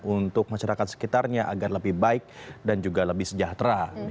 untuk masyarakat sekitarnya agar lebih baik dan juga lebih sejahtera